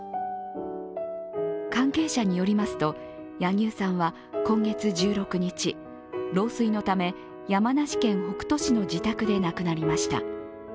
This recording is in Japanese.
関係者によりますと、柳生さんは今月１６日、老衰のため山梨県北杜市の自宅で亡くなりました。